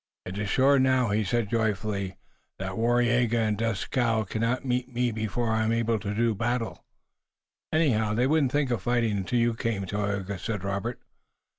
"It is sure now," he said joyfully, "that Waraiyageh and Dieskau cannot meet before I am able to do battle." "Anyhow, they wouldn't think of fighting until you came, Tayoga," said Robert.